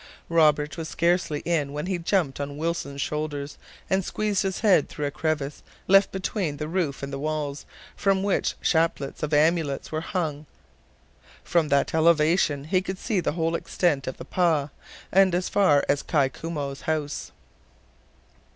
Robert was scarcely in when he jumped on Wilson's shoulders, and squeezed his head through a crevice left between the roof and the walls, from which chaplets of amulets were hung. From that elevation he could see the whole extent of the "pah," and as far as Kai Koumou's house.